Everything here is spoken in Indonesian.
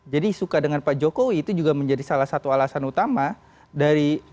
jadi suka dengan pak jokowi itu juga menjadi salah satu alasan terbesar dari pemilih pdip